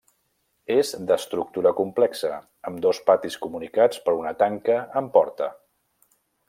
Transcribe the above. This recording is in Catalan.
És d'estructura complexa, amb dos patis comunicats per una tanca amb porta.